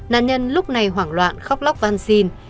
nạn nhân lúc này hoảng loạn khóc lóc văn xin